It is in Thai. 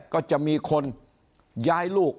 ก็จะมีคนย้ายลูก